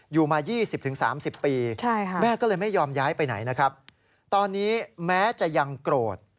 อยู่มา๒๐๓๐ปีแม่ก็เลยไม่ยอมย้ายไปไหนนะครับตอนนี้แม้จะยังโกรธ